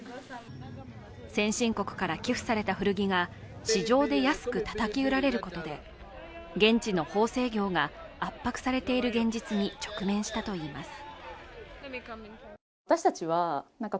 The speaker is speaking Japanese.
先進国から寄付された古着が市場で安くたたき売られることで現地の縫製業が圧迫されている現実に直面したといいます。